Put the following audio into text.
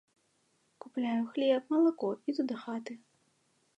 Купляю хлеб, малако, іду дахаты.